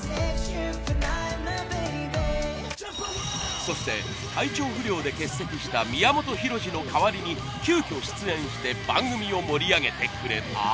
そして体調不良で欠席した宮本浩次の代わりに急きょ出演して番組を盛り上げてくれた。